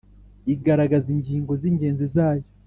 igaragaza ingingo zingenzi zayo